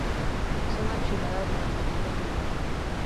Son archivadas durante miles de años.